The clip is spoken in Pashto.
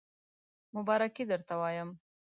مبارکی درته وایم